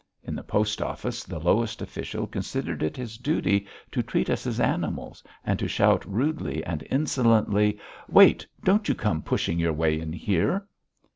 In the post office the lowest official considered it his duty to treat us as animals and to shout rudely and insolently: "Wait! Don't you come pushing your way in here!"